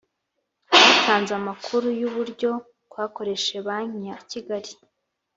Twatanze amakuru yuburyo twakoresheje banki ya Kigali